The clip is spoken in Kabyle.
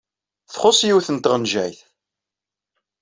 Txuṣṣ yiwet n tɣenjayt.